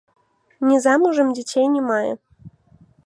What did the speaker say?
Не замужам, дзяцей не мае.